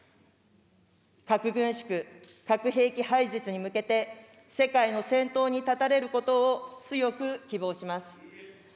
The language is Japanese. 核軍縮、核兵器廃絶に向けて、世界の先頭に立たれることを強く希望します。